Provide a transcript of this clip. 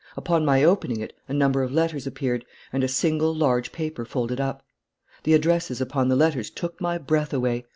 Upon my opening it a number of letters appeared, and a single large paper folded up. The addresses upon the letters took my breath away.